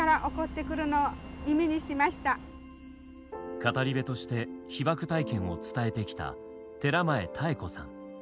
語り部として被爆体験を伝えてきた寺前妙子さん。